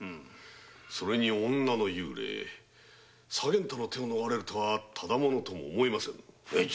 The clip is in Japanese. それに女の幽霊左源太の手を逃れるとはただ者とも思えませぬ。